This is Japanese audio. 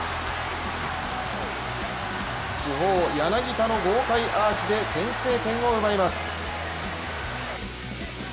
主砲・柳田の豪快アーチで先制点を奪います。